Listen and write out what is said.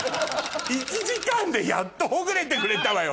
１時間でやっとほぐれてくれたわよ